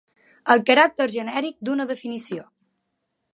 El caràcter genèric d'una definició.